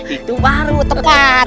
itu baru tepat